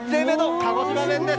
鹿児島弁です。